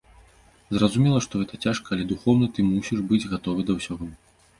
Зразумела, што гэта цяжка, але духоўна ты мусіш быць гатовы да ўсяго.